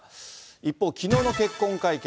一方、きのうの結婚会見。